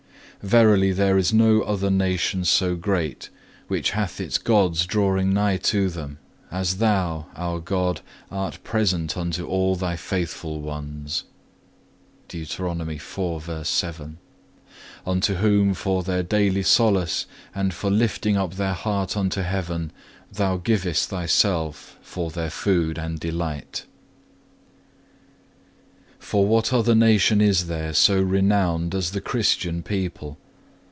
Verily there is no other nation so great, which hath its gods drawing nigh to them, as Thou, our God, art present unto all Thy faithful ones,(3) unto whom for their daily solace, and for lifting up their heart unto heaven, Thou givest Thyself for their food and delight. 3. For what other nation is there so renowned as the Christian people?